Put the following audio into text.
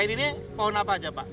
selain ini pohon apa saja pak